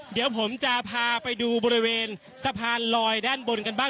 เดี๋ยวผมจะพาไปดูบริเวณสะพานลอยด้านบนกันบ้าง